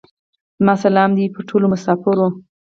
زما سلام دي وې پر ټولو مسافرو.